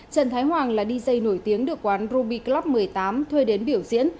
trần thái hoàng là dj nổi tiếng được quán ruby club một mươi tám thuê đến biểu diễn